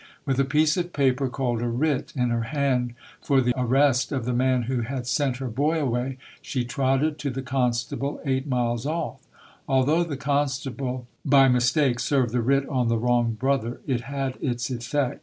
With a of paper, called a writ, in her hand for the of the man who had sent her boy away, die trotted to the constable eight miles off. Al D though the constable by mistake served the writ on the wrong brother, it had its effect.